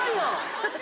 ちょっと。